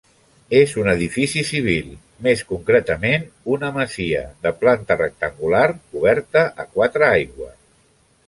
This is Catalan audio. És un Edifici civil, més concretament una Masia de planta rectangular coberta a quatre aigües.